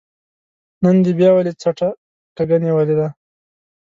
نن دې بيا ولې څټه کږه نيولې ده